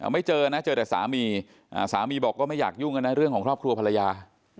ไม่เจอนะเจอแต่สามีสามีบอกก็ไม่อยากยุ่งกันนะเรื่องของครอบครัวภรรยา